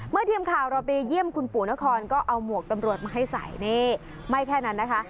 ทีมข่าวเราไปเยี่ยมคุณปู่นครก็เอาหมวกตำรวจมาให้ใส่นี่ไม่แค่นั้นนะคะ